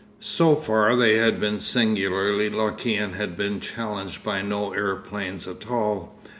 So far they had been singularly lucky and had been challenged by no aeroplanes at all.